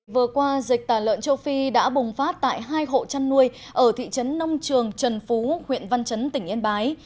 vừa qua dịch tả lợn châu phi đã bùng phát tại hai hộ chăn nuôi ở thị trấn nông trường trần phú huyện văn chấn tỉnh yên bái